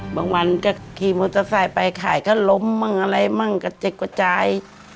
บางวันก็ขี่มอเตอร์ไซค์ไปขายก็ล้มมั่งอะไรมั่งกระเจกกระจาย